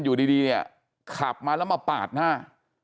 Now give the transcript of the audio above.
อยู่ดีเนี่ยขับมาแล้วมาปาดหน้า